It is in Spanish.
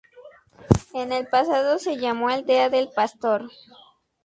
En el pasado se llamó Aldea del Pastor.